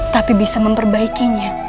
tapi bisa memperbaikinya